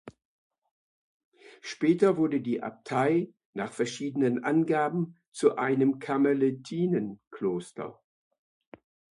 Später wurde die Abtei nach verschiedenen Angaben zu einem Karmelitinnenkloster.